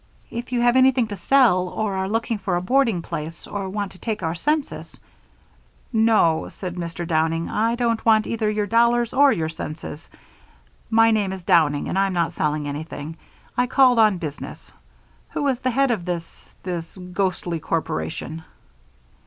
If you have anything to sell, or are looking for a boarding place, or want to take our census " "No," said Mr. Downing, "I don't want either your dollars or your senses. My name is Downing and I'm not selling anything. I called on business. Who is the head of this this ghostly corporation?"